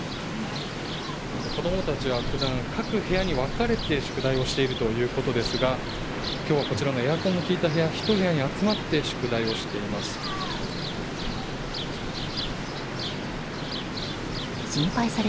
子供たちは、普段各部屋に分かれて宿題をしているということですが今日はエアコンの利いた部屋１部屋に集まって宿題をしています。